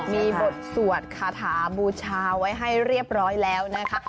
มีบทสวดคาถาบูชาไว้ให้เรียบร้อยแล้วนะคะ